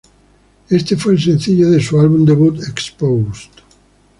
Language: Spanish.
Este fue el sencillo de su álbum debut, "Exposed".